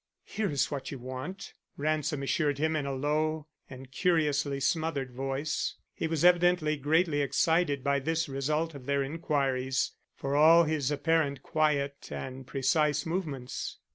"Here is what you want," Ransom assured him in a low and curiously smothered voice. He was evidently greatly excited by this result of their inquiries, for all his apparent quiet and precise movements.